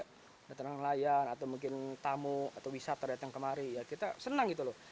kedatangan nelayan atau mungkin tamu atau wisata datang kemari ya kita senang gitu loh